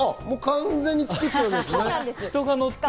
もう完全に作っちゃってるんですね。